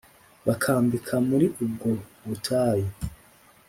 bakambika muri ubwo butayu